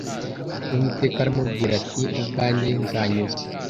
uwiteka aramubwira ati ubwanjye nzanyuza